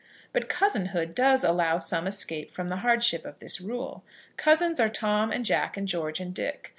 But cousinhood does allow some escape from the hardship of this rule. Cousins are Tom, and Jack, and George, and Dick.